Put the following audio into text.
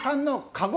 かご。